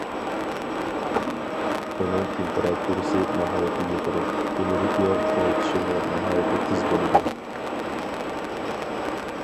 ئۇنىڭ تېمپېراتۇرىسى ناھايىتى يۇقىرى، ئېنېرگىيە خورىتىشىمۇ ناھايىتى تېز بولىدۇ.